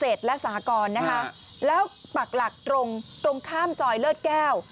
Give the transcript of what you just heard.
เกษตรรสาหกรณ์นะฮะแล้วปากหลักตรงข้ามจอยเลือดแก้ว